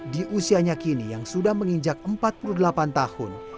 di usianya kini yang sudah menginjak empat puluh delapan tahun